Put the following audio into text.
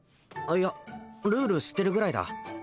いやルール知ってるぐらいだ